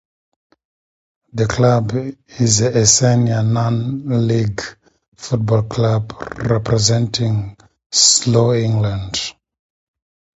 The club is a senior non-League football club representing Slough, England.